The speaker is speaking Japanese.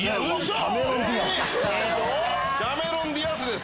キャメロン・ディアスです。